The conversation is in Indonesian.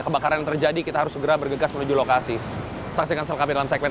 kebakaran terjadi kita harus segera bergegas menuju lokasi saksikan sel kami dalam segmen